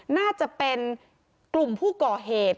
น่าจะเป็นกลุ่มผู้ก่อเหตุ